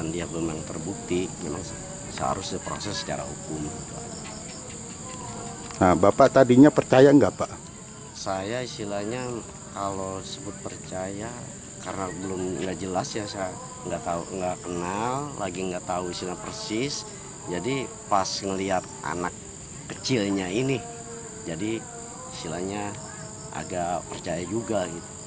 di sini persis jadi pas ngeliat anak kecilnya ini jadi istilahnya agak percaya juga